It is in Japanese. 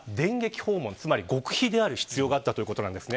極秘である必要があったということなんです。